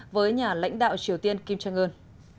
với nhà lãnh đạo triều tiên kim jong un